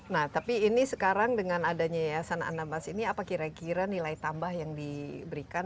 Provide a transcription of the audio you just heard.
nah tapi ini sekarang dengan adanya yayasan anambas ini apa kira kira nilai tambah yang diberikan